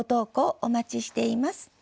お待ちしています。